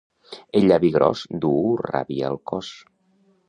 El llavi gros duu ràbia al cos.